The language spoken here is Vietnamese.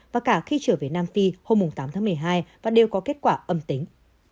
và cả khi trở về nam phi hôm tám tháng một mươi hai và đều có kết quả âm tính